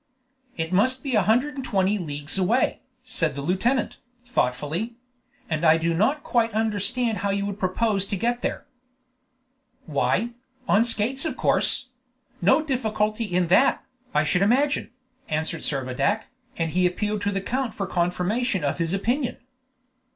"It must be a hundred and twenty leagues away," said the lieutenant, thoughtfully; "and I do not quite understand how you would propose to get there." "Why, on skates of course; no difficulty in that, I should imagine," answered Servadac, and he appealed to the count for confirmation of his opinion.